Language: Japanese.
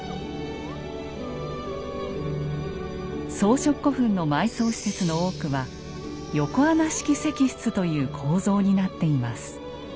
装飾古墳の埋葬施設の多くは「横穴式石室」という構造になっています。